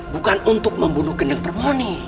bukan untuk membunuh kendeng permoni